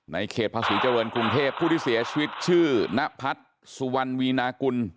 ในเขตพระศรีเจ้าเวิร์นกรุงเทพฯผู้ที่เสียชีวิตชื่อณพัฒน์สุวรรณวีนากุล